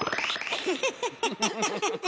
フフフフッ。